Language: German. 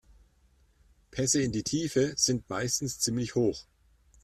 Pässe in die Tiefe sind meistens ziemlich hoch.